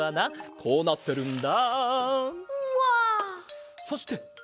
こうなってるんだ。